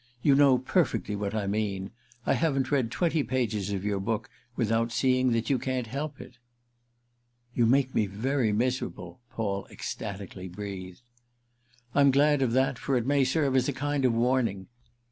"You know perfectly what I mean. I haven't read twenty pages of your book without seeing that you can't help it." "You make me very miserable," Paul ecstatically breathed. "I'm glad of that, for it may serve as a kind of warning.